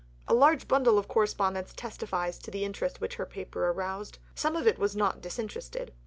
A large bundle of correspondence testifies to the interest which her paper aroused. Some of it was not disinterested.